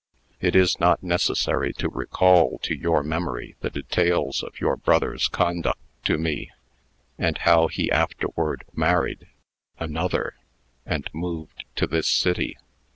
It is not necessary to recall to your memory the details of your brother's conduct to me, and how he afterward married another and moved to this city.